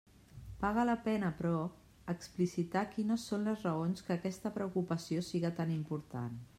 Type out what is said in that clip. Paga la pena, però, explicitar quines són les raons que aquesta preocupació siga tan important.